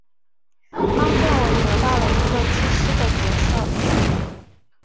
冈政伟得到了一个机师的角色。